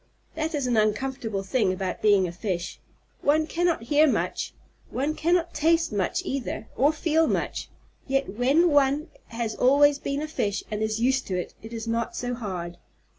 That is an uncomfortable thing about being a fish one cannot hear much. One cannot taste much either, or feel much, yet when one has always been a fish and is used to it, it is not so hard.